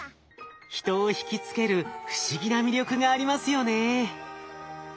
人を引き付ける不思議な魅力がありますよね。